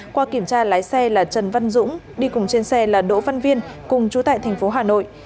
qua kiểm tra lái xe là trần văn dũng đi cùng trên xe là đỗ văn viên cùng chú tại thành phố hà nội